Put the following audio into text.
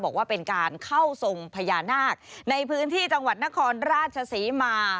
บอกว่าเป็นการเข้าทรงพญานาคในพื้นที่จังหวัดนครราชศรีมา